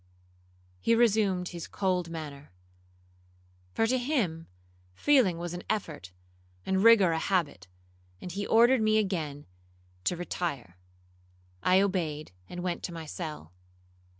He resumed his cold manner; for to him feeling was an effort, and rigour a habit, and he ordered me again to retire. I obeyed, and went to my cell.